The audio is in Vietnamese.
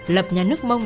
lập nhà nước mông